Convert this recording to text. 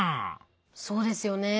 そうですよね。